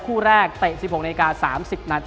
คู่แรกเตะ๑๖น๓๐น